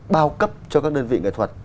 bao cấp cho các đơn vị nghệ thuật